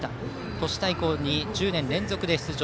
都市対抗に１０年連続で出場。